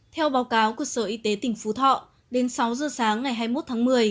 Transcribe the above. theo báo cáo của sở y tế tỉnh phú thọ đến sáu giờ sáng ngày hai mươi một tháng một mươi